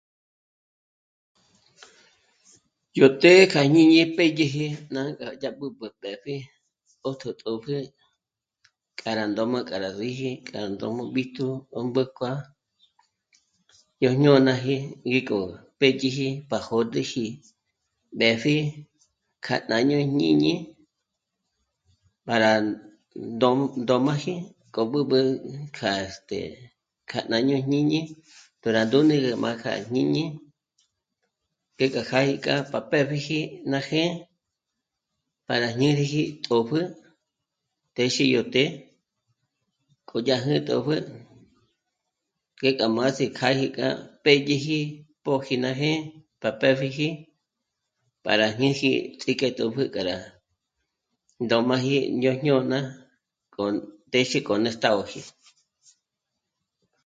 Yó të́'ë kja jñíni pédyeji ngá ná b'ǚb'ü kjapji 'ṓjtjō tòpjü k'a rá ndóma k'a rá síji k'a ndóma b'íjtu 'ómbéjkua yó jñônaji ngí k'o pédyiji pa jôd'üji mbèpji kja jñá'a nú jñíñi para ndó... ndómaji k'o b'ǚb'ü k'a este... k'a jñájño jñíñi pero ndùni kja jñíñi ngéka já 'ìk'a pë́b'iji ná jë̀'ë para ñéreji tòpjü téxi yó të́'ë k'odyájü tòpjü ngé gá más'i kjá'a jí k'a pédyeji póji ná jë̀'ë pa pë́pjiji para ñés'i ts'íjke tòpjü k'a rá ndómaji ñó jñôna k'o ndéxe k'o ndéstagóji